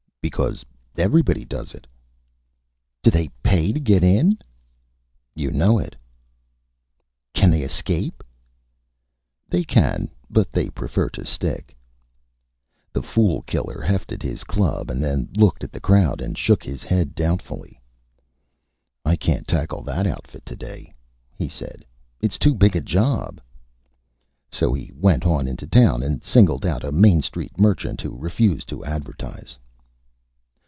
"Because Everybody does it." "Do they Pay to get in?" "You know it." "Can they Escape?" "They can, but they prefer to Stick." The Fool Killer hefted his Club and then looked at the Crowd and shook his Head doubtfully. "I can't tackle that Outfit to day," he said. "It's too big a Job." So he went on into Town, and singled out a Main Street Merchant who refused to Advertise.